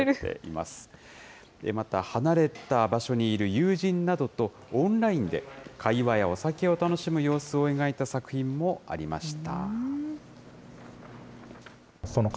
また、離れた場所にいる友人などとオンラインで会話やお酒を楽しむ様子を描いた作品もありました。